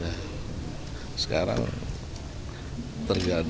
dan sekarang tergantung